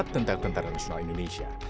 tentang tentara nasional indonesia